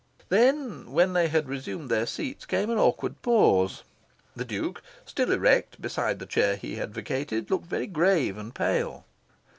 Then, when they had resumed their seats, came an awkward pause. The Duke, still erect beside the chair he had vacated, looked very grave and pale.